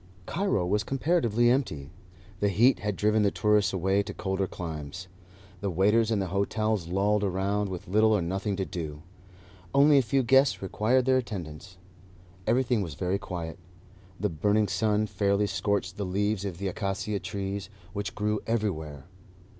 Cairo was comparatively empty. The heat had driven the tourists away to colder climes. The waiters in the hotels lolled around, with little or nothing to do. Only a few guests required their attendance. Everything was very quiet. The burning sun fairly scorched the leaves of the acacia trees, which grew everywhere.